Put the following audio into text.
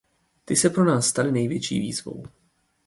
Ty se pro nás staly největší výzvou.